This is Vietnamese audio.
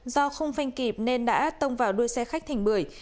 do không phanh kịp nên đã tông vào đuôi xe khách thành bưởi